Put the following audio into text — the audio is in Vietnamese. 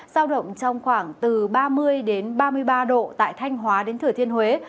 giao động trong khoảng từ ba mươi ba mươi ba độ tại thanh hóa đến thừa thiên huế